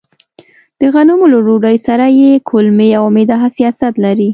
د غنمو له ډوډۍ سره يې کولمې او معده حساسيت لري.